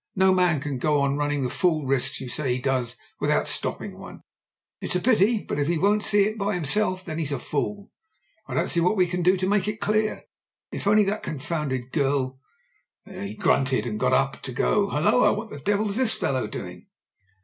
No man can go on running the fool risks you say he does without stopping one. It's a pity; but, if he won't see by himself that he's a fool, I don't see what we can do to make it clear. If only that con founded girl *' He grunted and got up to go. "Halloa! What the devil is this fellow doing?"